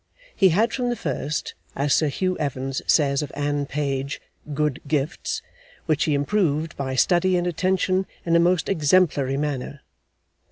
He had from the first, as Sir Hugh Evans says of Anne Page, 'good gifts', which he improved by study and attention in a most exemplary manner.